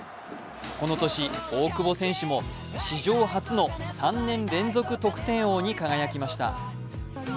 この年、大久保選手も史上初の３年連続得点王に輝きました。